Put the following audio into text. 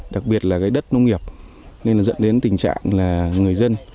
đặc biệt là đất nông nghiệp nên dẫn đến tình trạng là người dân